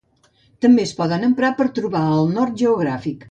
També es poden emprar per trobar el nord geogràfic.